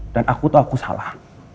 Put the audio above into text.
dan aku tuh aku salah